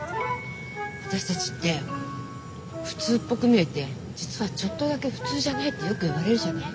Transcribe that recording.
私たちって普通っぽく見えて実はちょっとだけ普通じゃないってよく言われるじゃない？